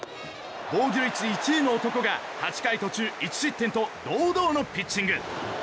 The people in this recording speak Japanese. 防御率１位の男が８回途中１失点と堂々のピッチング。